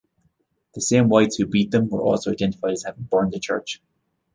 The same whites who beat them were also identified as having burned the church.